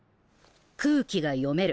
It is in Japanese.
空気が読める